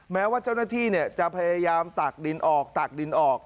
แม้ว่าเจ้าหน้าที่จะพยายามตักดินออกตักดินออก